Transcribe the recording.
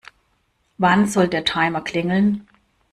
Wann soll der Timer klingeln?